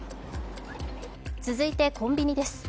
続いてコンビニです。